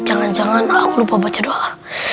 jangan jangan aku lupa baca doa